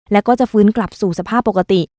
แล้วก็จะฟื้นกลับสู่สภาพปกติ